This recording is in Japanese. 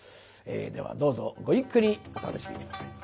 ではどうぞごゆっくりお楽しみ下さい。